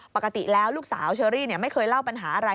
ปกติแล้วลูกสาวเชอรี่ไม่เคยเล่าปัญหาอะไร